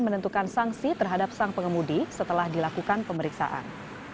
menentukan sanksi terhadap sang pengemudi setelah dilakukan pemeriksaan